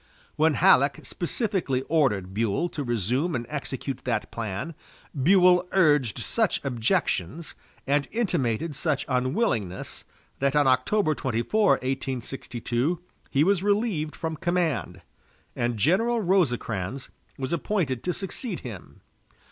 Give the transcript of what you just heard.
When Halleck specifically ordered Buell to resume and execute that plan, Buell urged such objections, and intimated such unwillingness, that on October 24, 1862, he was relieved from command, and General Rosecrans was appointed to succeed him.